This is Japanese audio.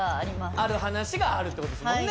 ある話があるってことですもんね。